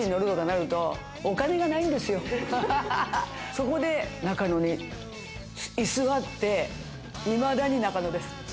そこで中野に居座って、いまだに中野です。